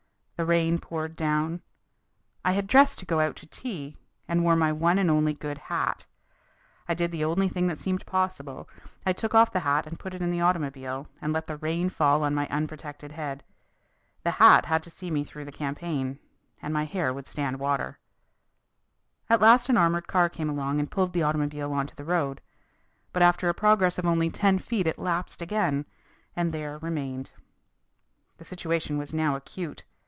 The rain poured down. I had dressed to go out to tea and wore my one and only good hat. I did the only thing that seemed possible I took off that hat and put it in the automobile and let the rain fall on my unprotected head. The hat had to see me through the campaign, and my hair would stand water. At last an armoured car came along and pulled the automobile onto the road. But after a progress of only ten feet it lapsed again, and there remained. The situation was now acute.